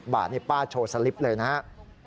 ๖๘๓๐บาทป้าโชว์สลิปเลยนะฮะ